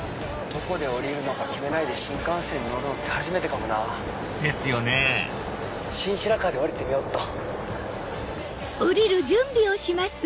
どこで降りるのか決めないで新幹線に乗るのって初めてかもな。ですよね新白河で降りてみよっと。